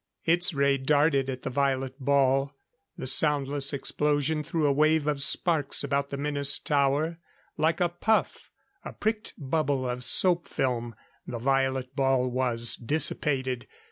Its ray darted at the violet ball; the soundless explosion threw a wave of sparks about the menaced tower, like a puff a pricked bubble of soap film the violet ball was dissipated.